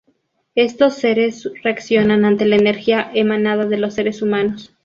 Estos seres reaccionan ante la energía emanada de los seres humanos.